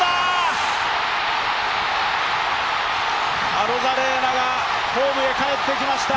アロザレーナがホームへ帰ってきました。